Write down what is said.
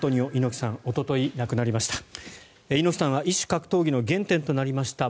猪木さんは異種格闘技の原点となりました